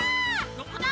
どこだ！